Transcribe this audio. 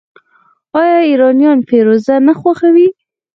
آیا ایرانیان فیروزه نه خوښوي؟